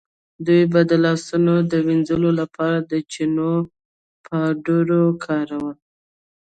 دوی به د لاسونو د وینځلو لپاره د چنو پاوډر کارول.